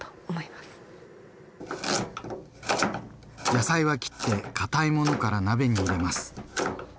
野菜は切って堅いものから鍋に入れます。